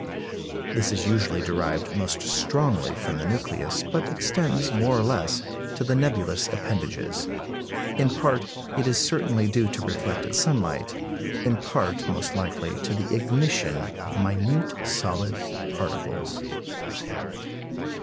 This is usually derived most strongly from the nucleus, but extends, more or less, to the nebulous appendages. In part, it is certainly due to reflected sunlight; in part, most likely, to the ignition of minute solid particles.